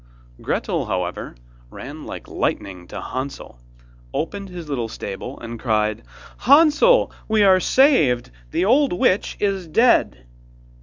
Gretel, however, ran like lightning to Hansel, opened his little stable, and cried: 'Hansel, we are saved! The old witch is dead!